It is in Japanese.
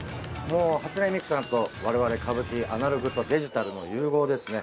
初音ミクさんとわれわれ歌舞伎アナログとデジタルの融合ですね。